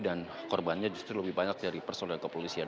dan korbannya justru lebih banyak dari personil kepolisian